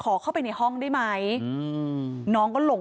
มีชายแปลกหน้า๓คนผ่านมาทำทีเป็นช่วยค่างทาง